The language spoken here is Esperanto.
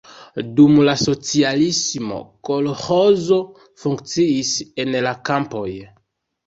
Dum la socialismo kolĥozo funkciis en la kampoj.